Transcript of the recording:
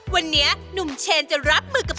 วันนี้หนุ่มเชนจะรับมือกับ